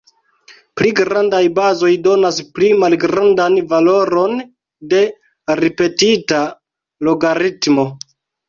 Pli grandaj bazoj donas pli malgrandan valoron de ripetita logaritmo.